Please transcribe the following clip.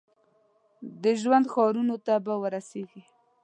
د ژوند ښارونو ته به ورسیږي ؟